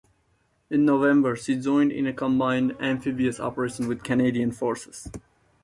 In November, she joined in a combined amphibious operation with Canadian forces.